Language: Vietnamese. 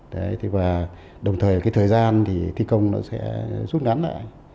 đấy và đồng thời cái thời gian thì thi công nó sẽ rút ngắn lại